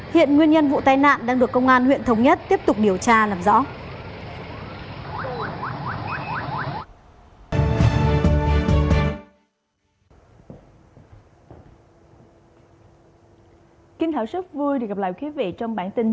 hiện nguyên nhân vụ tai nạn đang được công an huyện thống nhất tiếp tục điều tra làm rõ